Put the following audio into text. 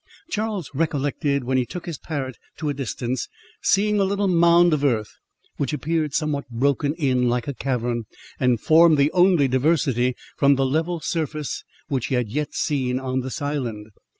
Charles recollected, when he took his parrot to a distance, seeing a little mound of earth, which appeared somewhat broken in like a cavern, and formed the only diversity from the level surface which he had yet seen on the island.